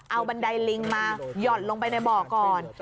เอาบันไดลิงมาหย่อนลงไปในบ่อก่อน